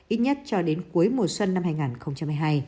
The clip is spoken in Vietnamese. ít nhất cho đến cuối mùa xuân năm hai nghìn hai mươi hai